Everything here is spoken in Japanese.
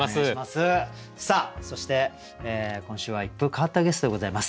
そして今週は一風変わったゲストでございます。